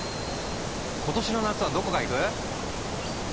今年の夏はどこか行く？